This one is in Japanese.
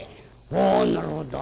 「ああなるほど」。